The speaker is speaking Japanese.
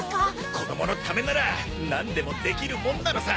子供のためならなんでもできるもんなのさ！